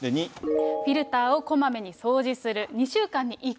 フィルターをこまめに掃除する。